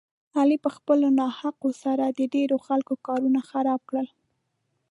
علي په خپلو ناحقو سره د ډېرو خلکو کارونه خراب کړل.